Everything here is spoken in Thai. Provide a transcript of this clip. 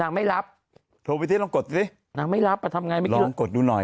นางไม่รับโทรไปที่ลองกดซินางไม่รับอ่ะทำง่ายไม่รู้ลองกดดูหน่อย